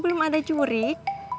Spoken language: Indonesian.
belum ada jurik